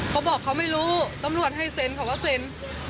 เขาบอกเขาไม่รู้ตำรวจให้เซ็นเขาก็เซ็น